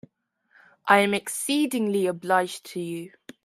I am exceedingly obliged to you.